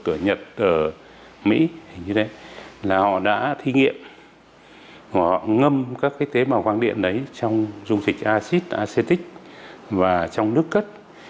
ở nhật ở mỹ là họ đã thí nghiệm họ ngâm các cái tế bào khoang điện đấy trong dung dịch acid acetic và trong nước cất